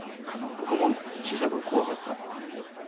僕も小さい頃怖かったな。